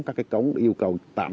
các ống dẫn